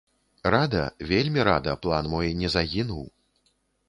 Рада, вельмі рада, план мой не загінуў.